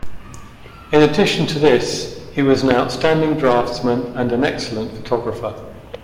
In addition to this, he was an outstanding draftsman and an excellent photographer.